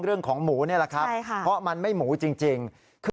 เรื่องของหมูนี่แหละครับเพราะมันไม่หมูจริงคือ